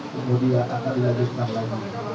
kemudian akan dilakukan lagi